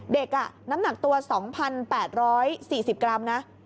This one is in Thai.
เด็กน้ำหนักตัว๒๘๔๐กรัมนะ